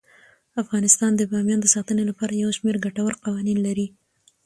افغانستان د بامیان د ساتنې لپاره یو شمیر ګټور قوانین لري.